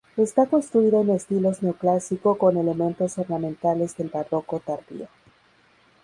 Está construida en estilo neoclásico con elementos ornamentales del barroco tardío.